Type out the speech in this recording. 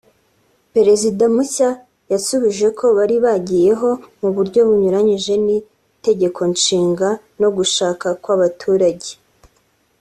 Perezida mushya yasubije ko bari bagiyeho mu buryo bunyuranyije n’itegekonshinga no gushaka kw’abaturage